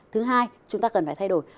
thứ hai chúng ta cần phải thay đổi